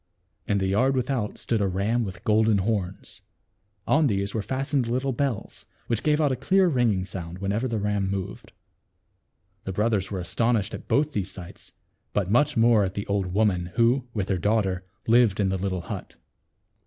In the yard without stood a ram with golden horns. On these were fastened little bells, which gave out a clear ring ing sound whenever the ram moved. The brothers were astonished at both these sights, but much more at the old woman who with her daughter lived in the little hut.